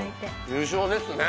優勝ですね！